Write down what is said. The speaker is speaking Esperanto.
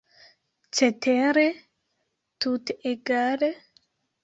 Cetere, tute egale?